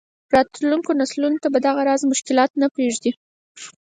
راتلونکو نسلونو ته به دغه راز مشکلات نه پرېږدي.